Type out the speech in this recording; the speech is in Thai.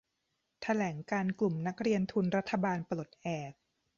แถลงการณ์กลุ่มนักเรียนทุนรัฐบาลปลดแอก